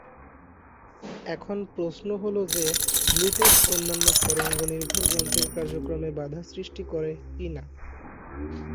এখন প্রশ্ন হল যে ব্লুটুথ অন্যান্য তরঙ্গ নির্ভর যন্ত্রের কার্যক্রমে বাধার সৃষ্টি করে কিনা?